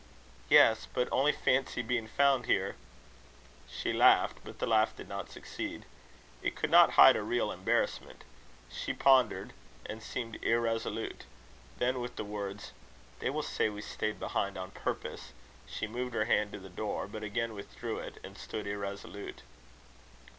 "Yes, but only fancy being found here!" She laughed; but the laugh did not succeed. It could not hide a real embarrassment. She pondered, and seemed irresolute. Then with the words "They will say we stayed behind on purpose," she moved her hand to the door, but again withdrew it, and stood irresolute.